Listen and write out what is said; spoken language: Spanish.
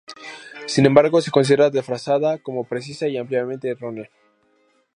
Sin embargo, se considera desfasada, poco precisa y ampliamente errónea.